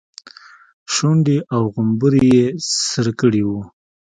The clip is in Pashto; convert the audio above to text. شونډې او غومبري يې سره کړي وو.